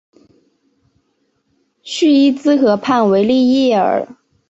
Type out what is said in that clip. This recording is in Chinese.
叙伊兹河畔维利耶尔。